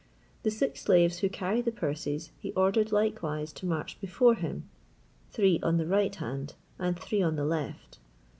The six slaves who carried the purses he ordered likewise to march before him, three on the right hand and three on the left.